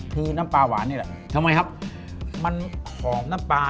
คือน้ำปลาหวานนี่แหละทำไมครับมันหอมน้ำปลา